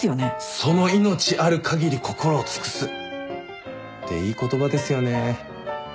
「その命あるかぎり心を尽くす」っていい言葉ですよね。